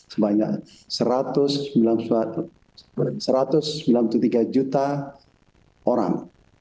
sebanyak satu ratus sembilan puluh tiga juta orang